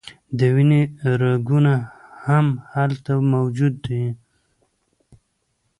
د وینې رګونه هم هلته موجود دي.